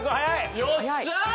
よっしゃ！